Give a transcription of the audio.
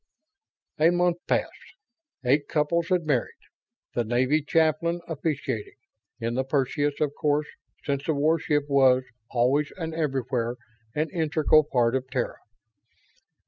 A month passed. Eight couples had married, the Navy chaplain officiating in the Perseus, of course, since the warship was, always and everywhere, an integral part of Terra.